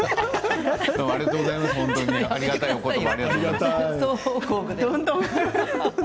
ありがたいお言葉ありがとうございます。